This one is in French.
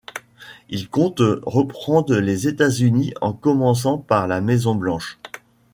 Ils comptent reprendre les États-Unis en commençant par la Maison-Blanche.